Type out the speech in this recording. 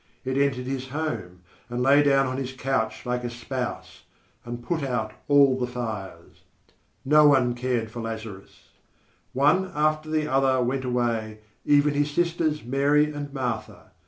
It entered his home, and lay down on his couch like a spouse, and put out all the fires. No one cared for Lazarus. One after the other went away, even his sisters, Mary and Martha.